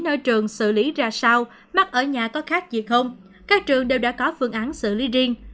ở trường xử lý ra sao mắc ở nhà có khác gì không các trường đều đã có phương án xử lý riêng